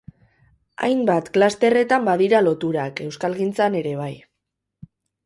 Hainbat klusterretan badira loturak, euskalgintzan ere bai...